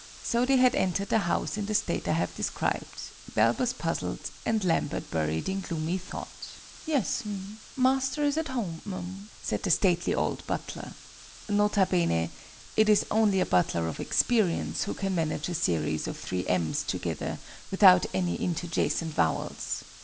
So they had entered the house in the state I have described Balbus puzzled, and Lambert buried in gloomy thought. "Yes, m'm, Master is at home, m'm," said the stately old butler. (N.B. It is only a butler of experience who can manage a series of three M's together, without any interjacent vowels.)